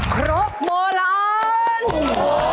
ครบโมรอน